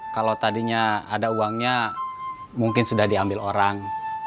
kalau tadinya ada uangnya mungkin sudah diambil orang